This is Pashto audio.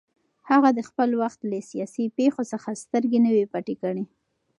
هغه د خپل وخت له سیاسي پېښو څخه سترګې نه وې پټې کړې